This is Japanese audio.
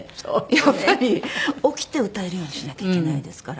やっぱり起きて歌えるようにしなきゃいけないですから。